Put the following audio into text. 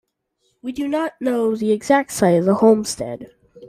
We do not know the exact site of the homestead.